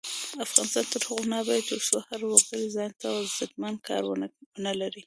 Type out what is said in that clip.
افغانستان تر هغو نه ابادیږي، ترڅو هر وګړی ځانته عزتمن کار ونه لري.